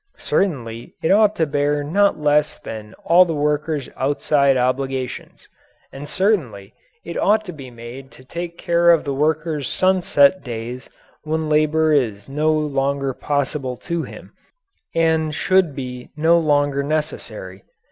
Certainly it ought to bear not less than all the worker's outside obligations. And certainly it ought to be made to take care of the worker's sunset days when labour is no longer possible to him and should be no longer necessary.